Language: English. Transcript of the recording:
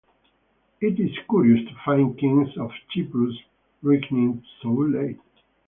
It is curious to find kings of Cyprus reigning so late.